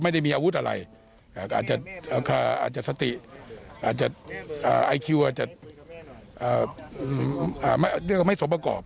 ไม่ได้มีอาวุธอะไรอาจจะสติอาจจะไอคิวอาจจะเรียกว่าไม่สมประกอบ